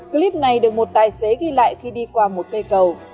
clip này được một tài xế ghi lại khi đi qua một cây cầu